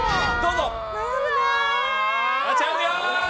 チャンピオン！